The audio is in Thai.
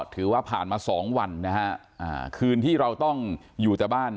ถือว่าผ่านมาสองวันนะฮะคืนที่เราต้องอยู่แต่บ้าน